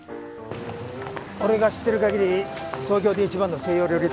俺が知ってる限り東京で一番の西洋料理店だ。